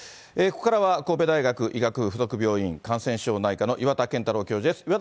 ここからは神戸大学医学部付属病院感染症内科の岩田健太郎教授です。